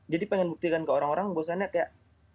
jadi pengen buktikan ke orang orang bosannya kayak